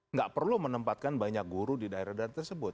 nggak perlu menempatkan banyak guru di daerah daerah tersebut